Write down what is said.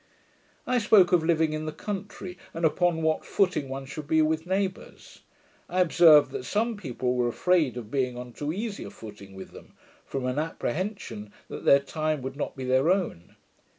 I spoke of living in the country, and upon what footing one should be with neighbours. I observed that some people were afraid of being on too easy a footing with them, from an apprehension that their time would not be their own.